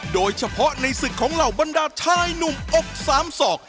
โดยเฉพาะในศึกของเหล่าบรรดาชายหนุ่มอกสามศอก